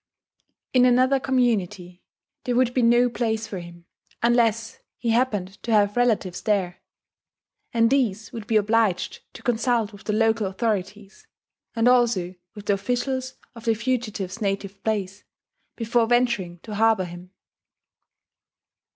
In another community there would be no place for him, unless he happened to have relatives there; and these would be obliged to consult with the local authorities, and also with the officials of the fugitive's native place, before venturing to harbour him.